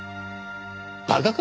馬鹿か？